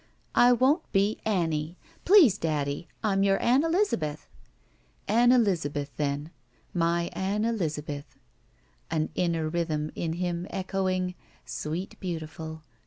"I won't be 'Annie.' Please, daddy, I'm your Ann EUzabeth." "Ann Elizabeth, then. My Ann Elizabeth," an inner rhythm in him echoing: Sweet Beautiful.